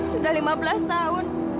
sudah lima belas tahun